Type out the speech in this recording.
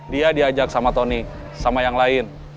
dia diajak sama tony sama yang lain